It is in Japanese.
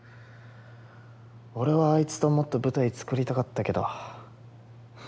俺はあいつともっと舞台作りたかったけど。